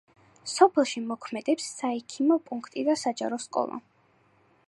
სოფელში მოქმედებს საექიმო პუნქტი და საჯარო სკოლა.